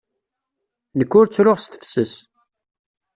Nekk ur ttruɣ s tefses.